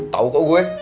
tau kok gue